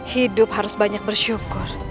hidup harus banyak bersyukur